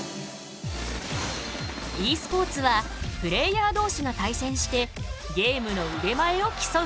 ｅスポーツはプレーヤーどうしが対戦してゲームのうでまえを競う大会。